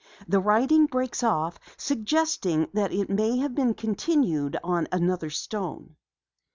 The writing breaks off, suggesting that it may have been continued on another stone."